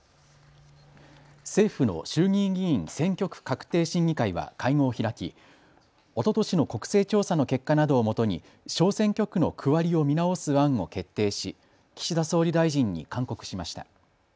政府の衆議院議員選挙区画定審議会は会合を開きおととしの国勢調査の結果などをもとに小選挙区の区割りを見直す案を決定し岸田総理大臣に勧告しました。